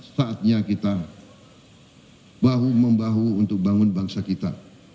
saatnya kita bahu membahu untuk bangun bangsa kita